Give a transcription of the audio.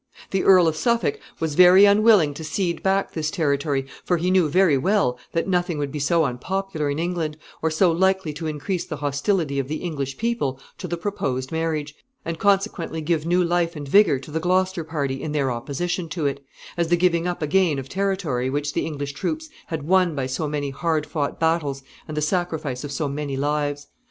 The Earl of Suffolk was very unwilling to cede back this territory, for he knew very well that nothing would be so unpopular in England, or so likely to increase the hostility of the English people to the proposed marriage, and consequently to give new life and vigor to the Gloucester party in their opposition to it, as the giving up again of territory which the English troops had won by so many hard fought battles and the sacrifice of so many lives.